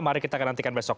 mari kita nantikan besok